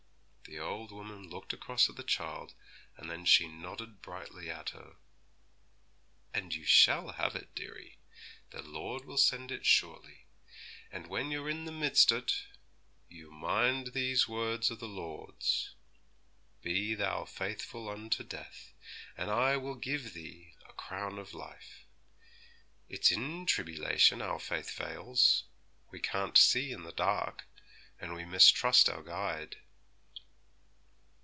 The old woman looked across at the child, and then she nodded brightly at her. 'And you shall have it, dearie; the Lord will send it surely; and when you're in the midst o't, you mind these words o' the Lord's, "Be thou faithful unto death, and I will give thee a crown of life." It's in tribbylation our faith fails; we can't see in the dark, and we mistrust our Guide.'